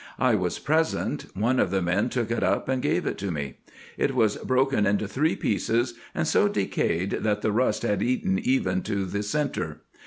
I was present ; one of the men took it up and gave it me. It was broken into three pieces, and so decayed, that the rust had eaten even to the centre.